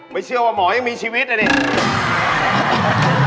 ขนาดหมอดูยังมีชีวิตอ่ะเนี่ย